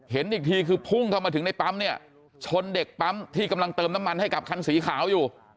เห็นอีกทีคือพุ่งเข้ามาถึงในปั๊มเนี่ยชนเด็กปั๊มที่กำลังเติมน้ำมันให้กับคันสีขาวอยู่